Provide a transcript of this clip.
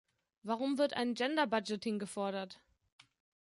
Warum wird ein Gender Budgeting gefordert?